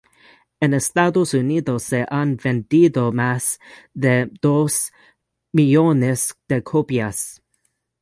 En Estados Unidos se han vendido más de dos millones de copias.